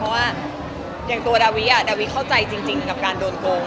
เพราะว่าอย่างตัวดาวิดาวิเข้าใจจริงกับการโดนโกง